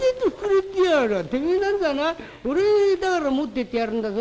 てめえなんざな俺だから持っててやるんだぞ。